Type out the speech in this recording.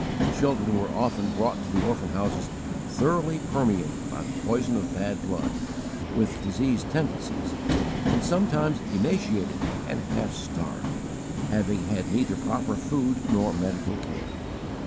Children were often brought to the orphan houses thoroughly permeated by the poison of bad blood, with diseased tendencies, and sometimes emaciated and half starved, having had neither proper food nor medical care.